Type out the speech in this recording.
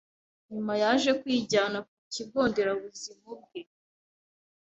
Nyuma yaje kwijyana ku kigo Nderabuzima ubwe